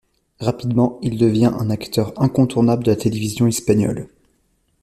Rapidement, il devient un acteur incontournable de la télévision espagnole.